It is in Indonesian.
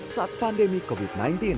saat pandemi covid sembilan belas